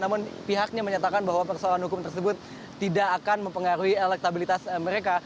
namun pihaknya menyatakan bahwa persoalan hukum tersebut tidak akan mempengaruhi elektabilitas mereka